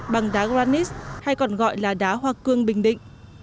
bằng đá granis hay còn gọi là đá hoa cương bình định